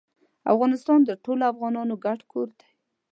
افغانستان د ټولو افغانانو ګډ کور دی.